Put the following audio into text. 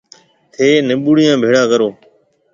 ٿَي نمٻوڙيا ڀيڙا ڪرو۔